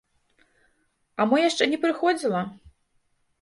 А мо яшчэ не прыходзіла?